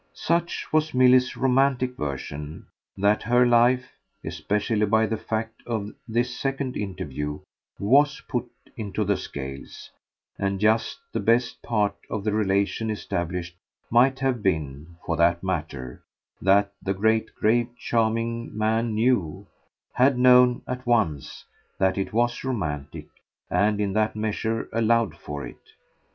Such was Milly's romantic version that her life, especially by the fact of this second interview, WAS put into the scales; and just the best part of the relation established might have been, for that matter, that the great grave charming man knew, had known at once, that it was romantic, and in that measure allowed for it.